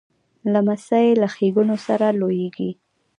لمسی له ښېګڼو سره لویېږي.